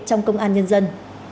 trong công an nhân dân